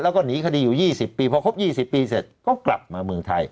แล้วก็หนีคดีอยู่๒๐ปีพอครบ๒๐ปีเสร็จก็กลับมาเมืองไทย